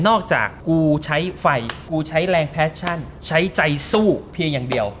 จากกูใช้ไฟกูใช้แรงแฟชั่นใช้ใจสู้เพียงอย่างเดียว